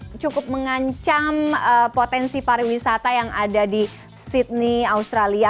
ini cukup mengancam potensi pariwisata yang ada di sydney australia